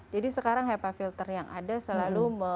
jadi sekarang hepa filter yang ada selalu